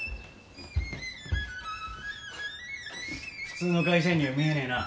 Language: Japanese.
普通の会社員には見えねえな。